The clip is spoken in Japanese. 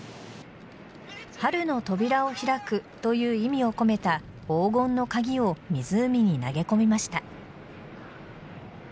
春の扉を開くという意味を込めた黄金の鍵を湖に投げ込みました。